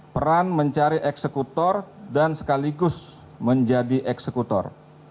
peran mencari eksekutor dan sekaligus menjadi eksekutor